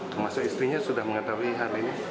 termasuk istrinya sudah mengetahui hal ini